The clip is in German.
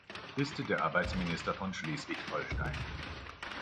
Liste der Arbeitsminister von Schleswig-Holstein